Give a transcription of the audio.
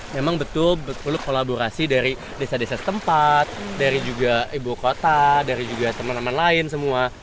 memang betul betul kolaborasi dari desa desa setempat dari juga ibu kota dari juga teman teman lain semua